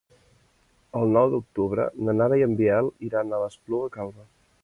El nou d'octubre na Nara i en Biel iran a l'Espluga Calba.